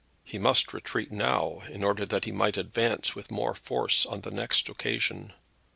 He must retreat now in order that he might advance with more force on the next occasion.